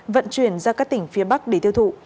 vận chuyển ra các tỉnh phía bắc để tiêu thụ